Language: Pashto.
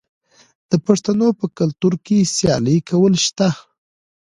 د پښتنو په کلتور کې سیالي کول شته.